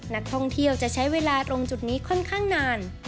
นักท่องเที่ยวจะใช้เวลาตรงจุดนี้ค่อนข้างนาน